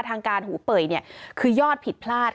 ทางการหูเป่ยคือยอดผิดพลาด